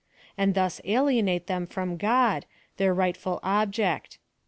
N 1 j5 and thus alienate them from God, their rightful ob ject.